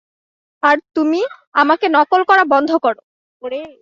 আর তুমি, আমাকে নকল করা বন্ধ করো।